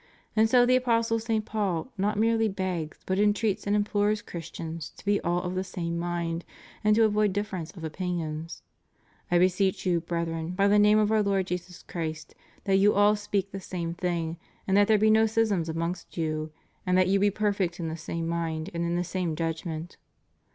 And so the Apostle St. Paul not m.erely begs but entreats and im.plores Christians to be all of the same mind, and to avoid difference of opinions: / beseech you, brethren, by the name of Our Lord Jesu^ Christ, that you all speak the same thing, and that there be no schisms amongst you, and thai you be perfect in the same mind and in the same judgment.